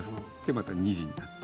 また２時になって。